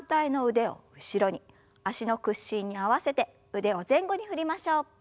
脚の屈伸に合わせて腕を前後に振りましょう。